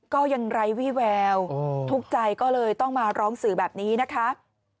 ก็ยังไร้วี่แววทุกข์ใจก็เลยต้องมาร้องสื่อแบบนี้นะคะ